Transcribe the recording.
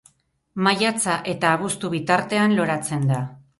Maiatza eta abuztu bitartean loratzen da.